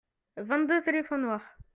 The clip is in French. vingt deux éléphants noirs.